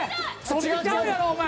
そっちちゃうやろお前。